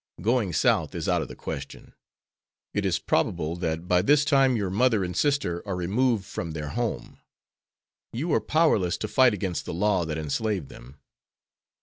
Going South is out of the question. It is probable that by this time your mother and sister are removed from their home. You are powerless to fight against the law that enslaved them.